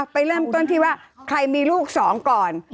ไปเริ่มต้นที่ว่าใครมีลูกสองก่อน